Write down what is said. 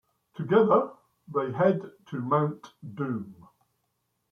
Together, they head to Mount Doom.